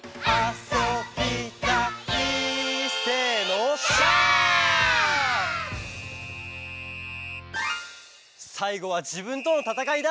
「せーの」「シャー」「さいごはじぶんとのたたかいだ」